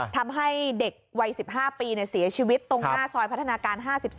ทำให้เด็กวัย๑๕ปีเสียชีวิตตรงหน้าซอยพัฒนาการ๕๓